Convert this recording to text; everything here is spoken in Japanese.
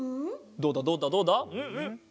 どうだどうだどうだ？ん？